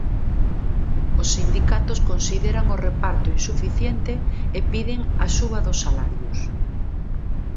Os sindicatos consideran o reparto insuficiente e piden a suba dos salarios.